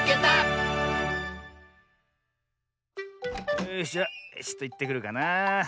よしじゃちょっといってくるかなあ。